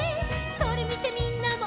「それみてみんなも」